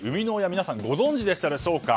皆さん、ご存じでしょうか。